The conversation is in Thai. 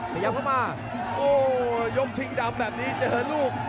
พยายามเข้ามาโอ้โหยกชิงดำแบบนี้เจอลูก